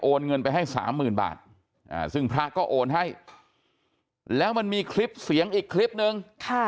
เงินไปให้สามหมื่นบาทซึ่งพระก็โอนให้แล้วมันมีคลิปเสียงอีกคลิปนึง